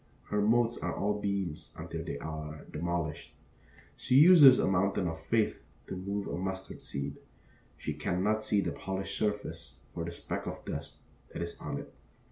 Her motes are all beams until they are demolished; she uses a mountain of faith to move a mustard seed; she cannot see the polished surface for the speck of dust that is on it.